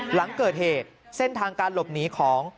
หลังเกิดเหตุเส้นทางการหลบหนีของ